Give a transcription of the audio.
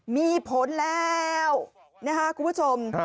มีผลแล้วนะคะคุณผู้ชม